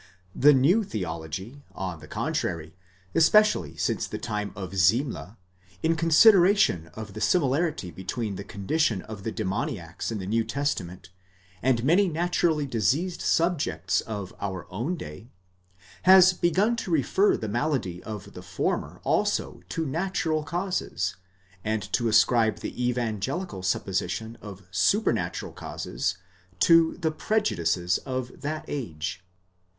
The new theology, on the contrary, especially since the time of Semler,?° in consideration of the similarity between the condition of the demoniacs in the New Testament and many naturally diseased subjects of our own day, has begun to refer the malady of the former also to natural causes, and to ascribe the evangelical supposition of supernatural causes to the prejudices of that age.